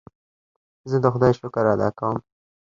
زه د خدای شکر ادا کوم.